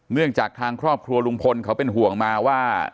เนื่องจากทางครอบครัวลุงพลเขาเป็นห่วงมาว่า